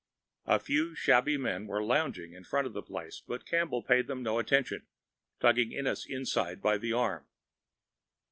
A few shabby men were lounging in front of the place but Campbell paid them no attention, tugging Ennis inside by the arm.